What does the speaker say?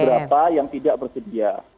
berapa yang tidak bersedia